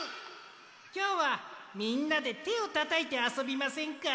きょうはみんなでてをたたいてあそびませんか？